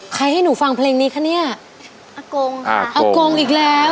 ให้หนูฟังเพลงนี้คะเนี่ยอากงค่ะอากงอีกแล้ว